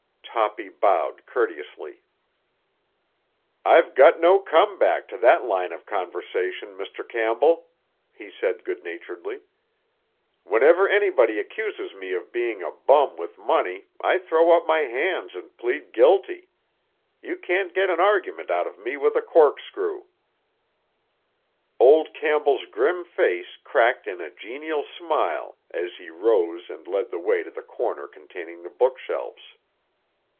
Toppy bowed courteously. "I've got no come back to that line of conversation, Mr. Campbell," he said good naturedly. "Whenever anybody accuses me of being a bum with money I throw up my hands and plead guilty; you can't get an argument out of me with a corkscrew." Old Campbell's grim face cracked in a genial smile as he rose and led the way to the corner containing the bookshelves.